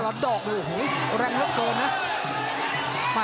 ตลอดดอกเลยแรงเยอะเกินนะ